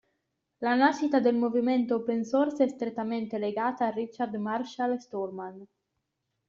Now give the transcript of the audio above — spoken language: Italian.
La nascita del movimento Open Source è strettamente legata a Richard Marshall Stallman.